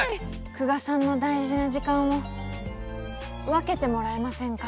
久我さんの大事な時間を分けてもらえませんか？